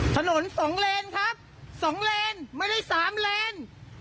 ถนนสองเลนครับ๒เลนไม่ได้๓เลน